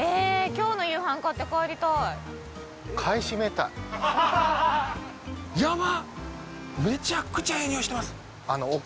今日の夕飯買って帰りたい右奥？